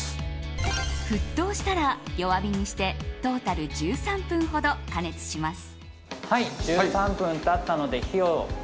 沸騰したら弱火にしてトータル１３分ほど加熱します。